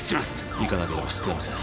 行かなければ救えません